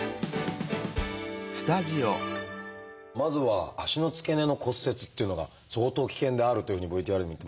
まずは足の付け根の骨折っていうのが相当危険であるというふうにＶＴＲでも言ってましたが。